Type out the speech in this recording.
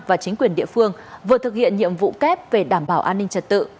và chính quyền địa phương vừa thực hiện nhiệm vụ kép về đảm bảo an ninh trật tự